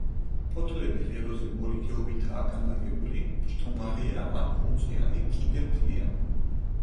ფოთლები ღეროზე მორიგეობითაა განლაგებული, მჯდომარეა ან ყუნწიანი, კიდემთლიანი.